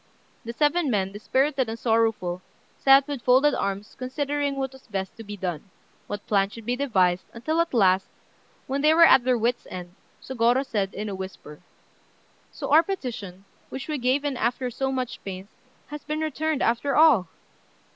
The seven men, dispirited and sorrowful, sat with folded arms considering what was best to be done, what plan should be devised, until at last, when they were at their wits' end, Sôgorô said, in a whisper "So our petition, which we gave in after so much pains, has been returned after all!